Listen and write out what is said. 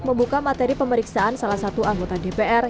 membuka materi pemeriksaan salah satu anggota dpr